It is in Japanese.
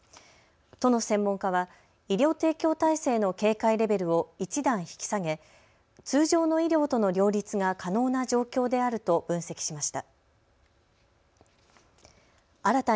都の専門家は医療提供体制の警戒レベルを１段引き下げ通常の医療との両立が可能な状況であると分析しました。